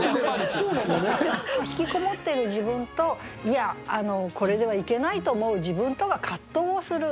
引きこもってる自分と「いやこれではいけない」と思う自分とが葛藤をする。